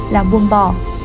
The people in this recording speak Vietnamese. là buông bỏ